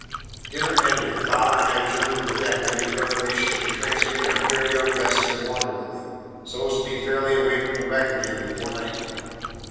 Dinner ended, Bob and I adjourned to the deck to make preparations for transferring our fair young guest to the Water Lily, so as to be fairly away from the wreck again before nightfall.